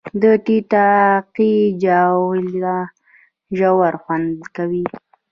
د ټیټاقې جاوله ژوول خوند کوي